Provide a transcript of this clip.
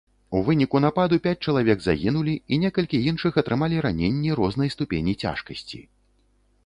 У выніку нападу пяць чалавек загінулі і некалькі іншых атрымалі раненні рознай ступені цяжкасці.